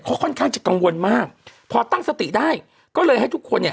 เขาค่อนข้างจะกังวลมากพอตั้งสติได้ก็เลยให้ทุกคนเนี่ย